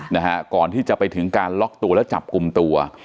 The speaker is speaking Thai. นะฮะก่อนที่จะไปถึงการล็อกตัวแล้วจับกลุ่มตัว